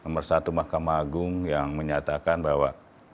dan satu mahkamah agung yang menyatakan bahwa